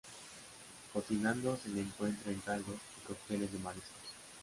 Cocinado se le encuentra en caldos y cócteles de mariscos.